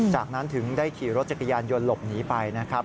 จากนั้นถึงได้ขี่รถจักรยานยนต์หลบหนีไปนะครับ